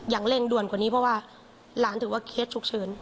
อย่างเร่งด่วนกว่านี้เพราะว่าหลานถือว่าเคสฉุกเฉิน